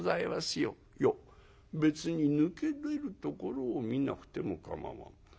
「いや別に抜け出るところを見なくても構わん。